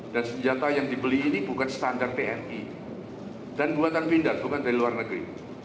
dan buatan pindat bukan dari luar negeri